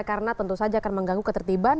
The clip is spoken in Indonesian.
karena tentu saja akan mengganggu ketertiban